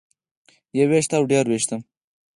يو وېښتۀ او ډېر وېښتۀ